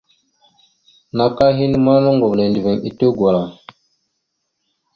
Naka henne ma noŋgov nendəviŋ etew gwala.